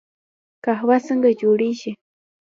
قهوه څنګه جوړیږي؟